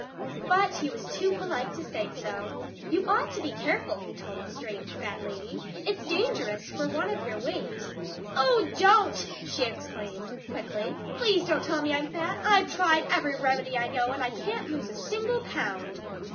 But he was too polite to say so. "You ought to be careful," he told the strange fat lady. "It's dangerous for one of your weight " "Oh, don't!" she exclaimed quickly. "PLEASE don't tell me I'm fat! I've tried every remedy I know and I can't lose a single pound!"